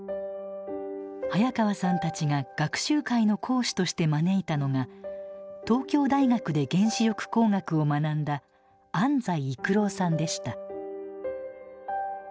早川さんたちが学習会の講師として招いたのが東京大学で原子力工学を学んだ安斎育郎さんでした。